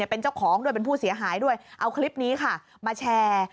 เป็นเจ้าของด้วยเป็นผู้เสียหายด้วยเอาคลิปนี้ค่ะมาแชร์